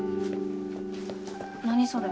何それ。